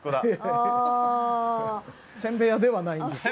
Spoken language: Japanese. せんべい屋ではないんです。